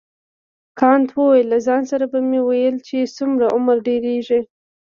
کانت وویل له ځان سره به مې ویل چې څومره عمر ډیریږي.